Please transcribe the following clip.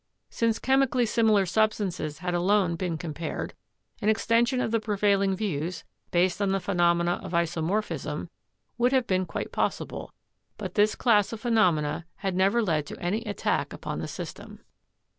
Since chemically similar substances had alone been compared, an extension of the prevailing views, based on the phe nomena of isomorphism, would have been quite possible; but this class of phenomena had never led to any attack upon the system.